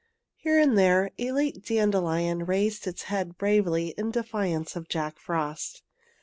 Here and there a late dandelion raised its head bravely in defiance of Jack Frost.